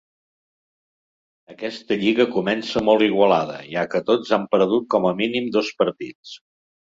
Aquesta lliga comença molt igualada, ja que tots han perdut com a mínim dos partits.